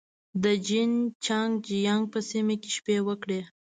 د جين چنګ جيانګ په سیمه کې شپې وکړې.